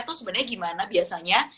itu sebenarnya gimana biasanya